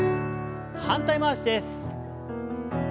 反対回しです。